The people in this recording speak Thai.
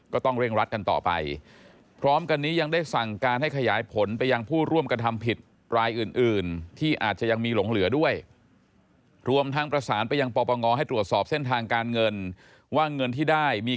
ก็ต้องเร่งรัดกันต่อไป